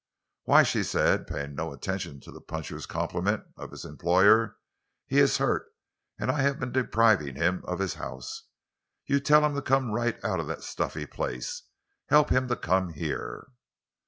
"Why," she said, paying no attention to the puncher's compliment of his employer, "he is hurt, and I have been depriving him of his house. You tell him to come right out of that stuffy place! Help him to come here!"